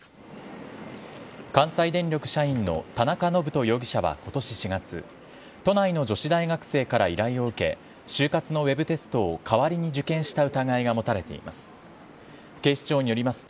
関西電力社員の田中信人容疑者はことし４月、都内の女子大学生から依頼を受け、就活のウェブテストを代わりに受験した疑いが持たれています。